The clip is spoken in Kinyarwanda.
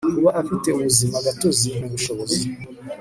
Kuba afite ubuzima gatozi n ubushobozi